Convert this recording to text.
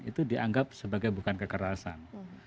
itu dianggap sebagai bukan kekerasan